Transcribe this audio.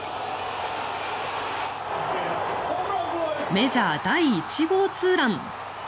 メジャー第１号ツーラン。